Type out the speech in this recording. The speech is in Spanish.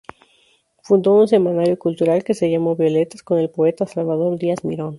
Fundó un semanario cultural que se llamó "Violetas", con el poeta Salvador Díaz Mirón.